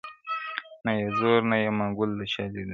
• نه یې زور نه یې منګول د چا لیدلی -